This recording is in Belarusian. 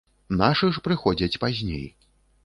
Нашы ж прыходзяць пазней.